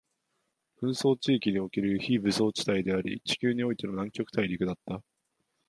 紛争地域における非武装地帯であり、地球においての南極大陸だった